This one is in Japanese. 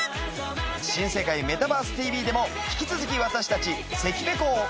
『新世界メタバースＴＶ！！』でも引き続き私たち関ぺこを。